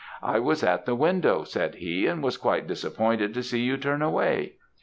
'I was at the window,' said he, 'and was quite disappointed to see you turn away.'